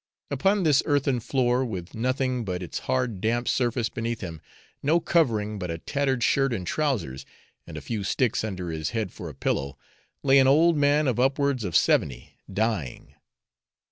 Upon this earthen floor, with nothing but its hard damp surface beneath him, no covering but a tattered shirt and trowsers, and a few sticks under his head for a pillow, lay an old man of upwards of seventy, dying.